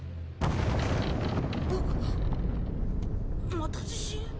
また地震？